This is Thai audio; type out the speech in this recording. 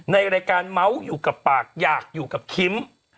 ในรายการเมาส์อยู่กับปากอยากอยู่กับคิม